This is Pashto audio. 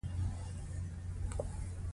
دا لټون د روح د بیدارۍ لوری ټاکي.